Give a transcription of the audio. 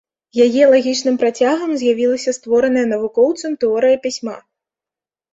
Яе лагічным працягам з'явілася створаная навукоўцам тэорыя пісьма.